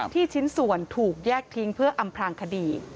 ชิ้นส่วนถูกแยกทิ้งเพื่ออำพลางคดี